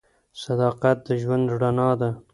• صداقت د ژوند رڼا ده.